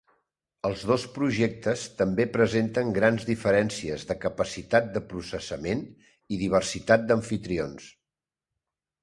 Els dos projectes també presenten grans diferències de capacitat de processament i diversitat d'amfitrions.